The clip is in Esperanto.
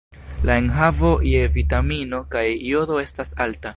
La enhavo je vitamino kaj jodo estas alta.